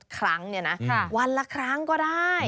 ครั้งเนี่ยนะวันละครั้งก็ได้